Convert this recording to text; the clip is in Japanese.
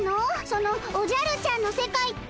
そのおじゃるちゃんの世界って。